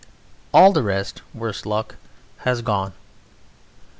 All the rest, worse luck, has gone.